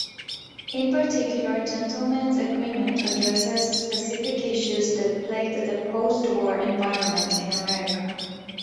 In particular "Gentleman's Agreement" addresses specific issues that plagued the postwar environment in America.